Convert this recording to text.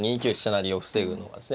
成を防ぐのがですね